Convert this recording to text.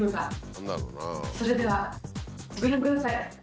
それではご覧ください！